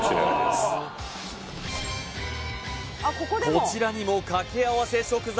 こちらにも掛け合わせ食材